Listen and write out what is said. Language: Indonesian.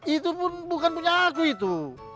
itu pun bukan punya aku itu